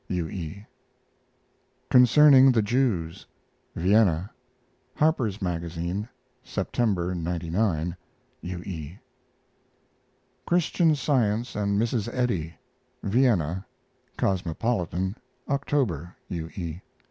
U. E. CONCERNING THE JEWS (Vienna) Harper's Magazine, September, '99. U. E. CHRISTIAN SCIENCE AND MRS. EDDY (Vienna) Cosmopolitan, October. U. E.